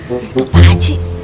untuk bu haji